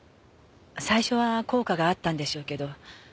最初は効果があったんでしょうけど